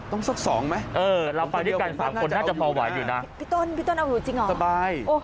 สักสองไหมเออเราไปด้วยกันสามคนน่าจะพอไหวอยู่นะพี่ต้นพี่ต้นเอาอยู่จริงเหรอสบาย